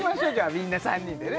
みんな３人でね